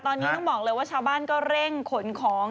ตอนนี้ต้องบอกเลยว่าชาวบ้านก็เร่งขนของ